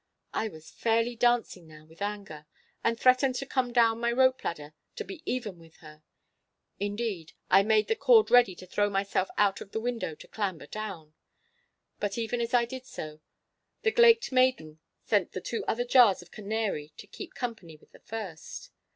I was fairly dancing now with anger, and threatened to come down my rope ladder to be even with her. Indeed, I made the cord ready to throw myself out of the window to clamber down. But even as I did so, the glaiked maiden sent the other two jars of Canary to keep company with the first.